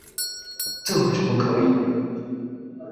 这怎么可以！